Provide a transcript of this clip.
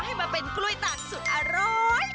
ให้มาเป็นกล้วยตาลสุดอร้อย